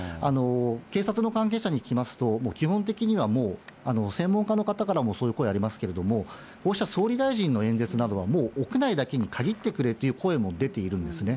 警察の関係者に聞きますと、基本的にはもう、専門家の方からもそういう声ありますけども、こうした総理大臣の演説などは、屋内だけに限ってくれという声も出ているんですね。